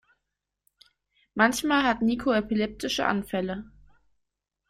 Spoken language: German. Manchmal hat Niko epileptische Anfälle.